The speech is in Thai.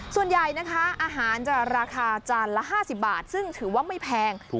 ส่วนใหญ่นะคะอาหารจะราคาจานละ๕๐บาทซึ่งถือว่าไม่แพง